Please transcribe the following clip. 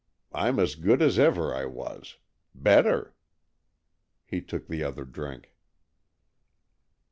I'm as good as ever I was. Better." He took the other drink.